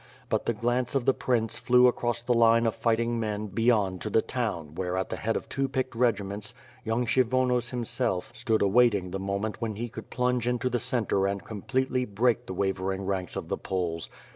Bu't the glance of the prince flew across the line of fighting men beyond to the 'town where at the head of two picked regiments young Kshyvonos himself, stood awaiting the moment when he could plunge into the centre and com pletely break the wavering ranks of the Poles.